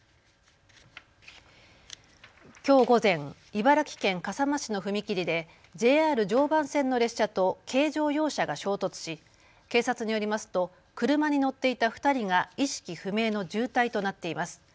きょう午前、茨城県笠間市の踏切でＪＲ常磐線の列車と軽乗用車が衝突し警察によりますと車に乗っていた２人が意識不明の重体となっています。